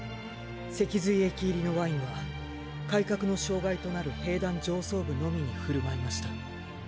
脊髄液入りのワインは改革の障害となる兵団上層部のみに振る舞いました。